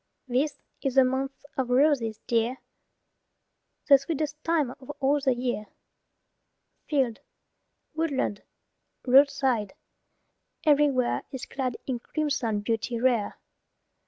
This is the month of roses, dear, The sweetest time of all the year. Field, woodland, roadside, everywhere, Is clad in crimson beauty rare.